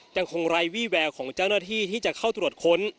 ยังคงไร้วี่แววของเจ้าหน้าที่ที่จะเข้าตรวจค้น